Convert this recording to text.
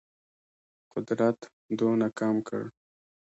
قدرت دونه کم کړ.